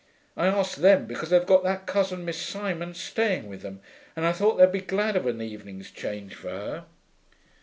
I asked them because they've got that cousin, Miss Simon, staying with them, and I thought they'd be glad of an evening's change for her.'